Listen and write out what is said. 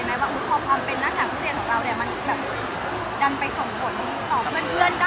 ดันไปส่งผลของเพื่อนได้อะไรอย่างนี้ความดังของเราเกินไปอะไรอย่างนี้หรือเปล่า